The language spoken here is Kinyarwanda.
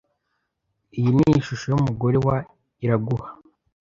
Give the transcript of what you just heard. Iyi ni ishusho yumugore wa Iraguha.